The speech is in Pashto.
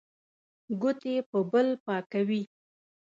ګوتې په بل پاکوي.